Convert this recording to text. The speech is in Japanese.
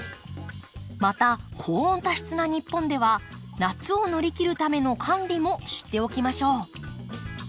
また高温多湿な日本では夏を乗り切るための管理も知っておきましょう。